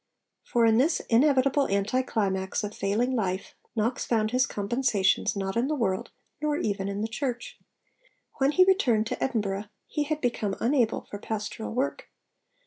For in this inevitable anti climax of failing life, Knox found his compensations not in the world, nor even in the Church. When he returned to Edinburgh, he had become unable for pastoral work.